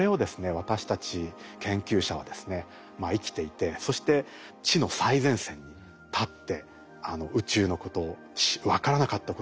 私たち研究者はですね生きていてそして知の最前線に立って宇宙のことを分からなかったことを調べる。